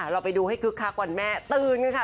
เราไปดูให้คึกคักวันแม่ตื่นค่ะ